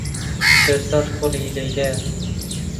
شێرزاد کوڕی لەیلایە.